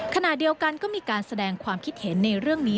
ขณะเดียวกันก็มีการแสดงความคิดเห็นในเรื่องนี้